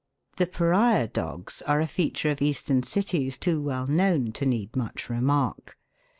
The pariah dogs are a feature of Eastern cities too well known to need much remark.